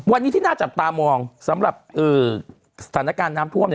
วันนี้ที่น่าจับตามองสำหรับสถานการณ์น้ำท่วม